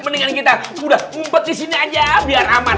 mendingan kita udah umpet disini aja biar aman